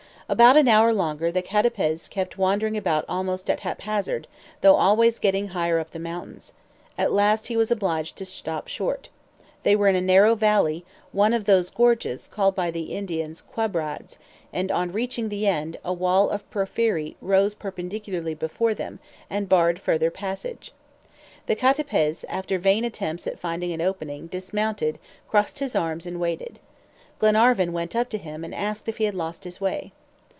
For about an hour longer the CATAPEZ kept wandering about almost at haphazard, though always getting higher up the mountains. At last he was obliged to stop short. They were in a narrow valley, one of those gorges called by the Indians "quebrads," and on reaching the end, a wall of porphyry rose perpendicularly before them, and barred further passage. The CATAPEZ, after vain attempts at finding an opening, dismounted, crossed his arms, and waited. Glenarvan went up to him and asked if he had lost his way.